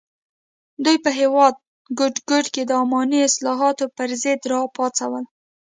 دوی په هېواد ګوټ ګوټ کې د اماني اصلاحاتو پر ضد راپاڅول.